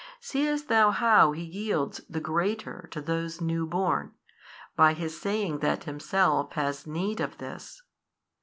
seest thou how he yields the greater to those new born, by his saying that himself has need of this?